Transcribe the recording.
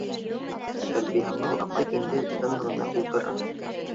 Сәрбиямал апай инде тын ғына ултыра